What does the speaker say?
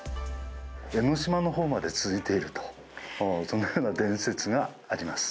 江の島のほうまで続いていると、そんなふうな伝説があります。